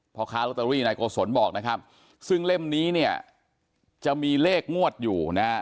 พ่อค้าลอตเตอรี่นายโกศลบอกนะครับซึ่งเล่มนี้เนี่ยจะมีเลขงวดอยู่นะฮะ